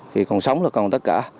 vì còn sống là còn tất cả